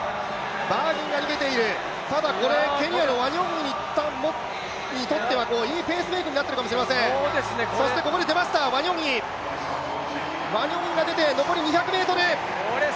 バーギンが逃げている、ただケニアのワニョンイにとってはいいペースメイクになっているかもしれません、そしてここで出ました、ワニョンイが出て残り２００ｍ。